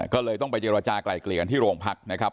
ก็เลยต้องไปอะไรกระเกลียกันที่โรงพัฒน์นะครับ